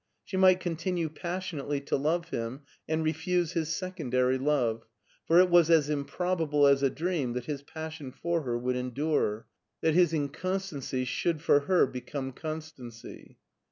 She might continue passionately to love him and refuse his secondary love, for it was as improbable as a dream that his passion for her would endure, that his inconstancy should for her become constancy.